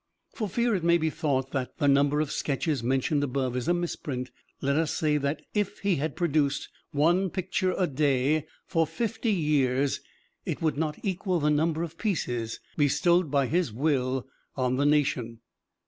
For fear it may be thought that the number of sketches mentioned above is a misprint, let us say that if he had produced one picture a day for fifty years it would not equal the number of pieces bestowed by his will on the Nation.